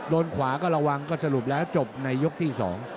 ขวาก็ระวังก็สรุปแล้วจบในยกที่๒